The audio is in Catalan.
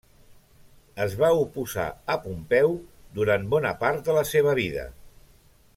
Es va oposar a Pompeu durant bona part de la seva vida.